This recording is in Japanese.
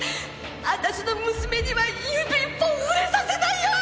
私の娘には指一本触れさせないよ！